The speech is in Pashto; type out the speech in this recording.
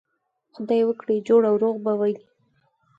خدای وکړي جوړ او روغ به وئ.